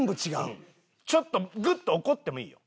ちょっとグッと怒ってもいいよ。